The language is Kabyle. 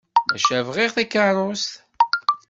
Maca bɣiɣ takeṛṛust.